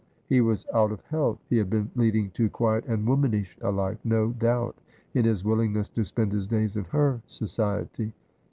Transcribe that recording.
He was out of health. He had been leading too quiet and womanish a life, no doubt, in his willingness to spend his days in her society.